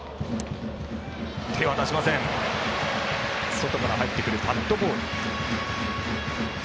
外から入ってくるカットボール。